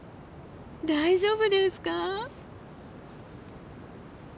大丈夫ですか？